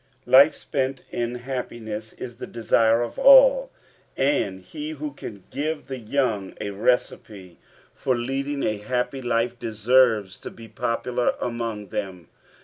I^fe B{>ent in happiness is the deure of all, and ho who can g^ve the youngg receipt for leading a happy lifydeserves to be popular among them.